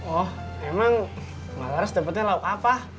oh emang mbak laras dapetnya laut apa